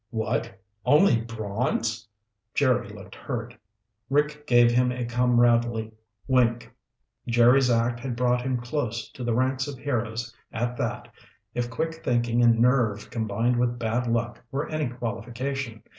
"What? Only bronze?" Jerry looked hurt. Rick gave him a comradely wink. Jerry's act had brought him close to the ranks of heroes at that, if quick thinking and nerve combined with bad luck were any qualification.